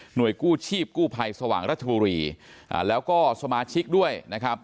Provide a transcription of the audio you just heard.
โดยกู้ชีพกู้ภัยสว่างรัชบุรีแล้วก็สมาชิกด้วยนะครับ